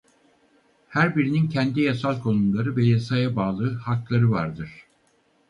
Her birinin kendi yasal konumları ve yasaya bağlı hakları vardır.